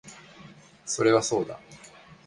それはそうだ